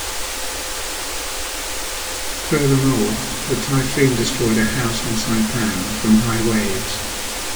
Further north, the typhoon destroyed a house on Saipan from high waves.